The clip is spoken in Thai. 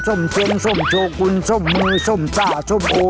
ส้มเชิงส้มโชคุณส้มมืลส้มสระส้มโบ้